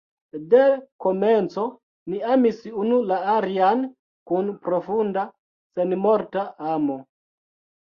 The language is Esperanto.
De l’komenco ni amis unu la alian kun profunda, senmorta amo.